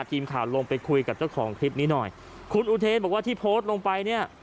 ทีมข่าวลงไปคุยกับเจ้าของคลิปนี้หน่อยคุณอุเทนบอกว่าที่โพสต์ลงไปเนี่ย